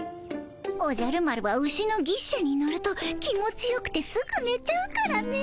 おじゃる丸は牛の牛車に乗ると気持ちよくてすぐねちゃうからね。